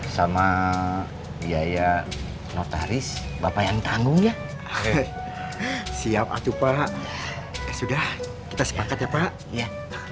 semoga kita nanti ada jalan ya